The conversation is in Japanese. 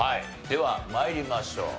では参りましょう。